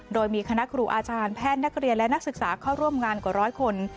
โดยมีคณะครูอาจารย์แพทย์นักเรียนและนักศึกษาเข้าร่วมงานกว่าร้อยคน